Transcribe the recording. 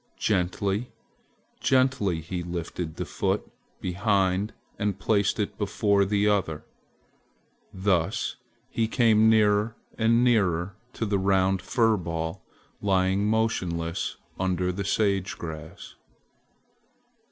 Gently, gently he lifted the foot behind and placed it before the other. Thus he came nearer and nearer to the round fur ball lying motionless under the sage grass.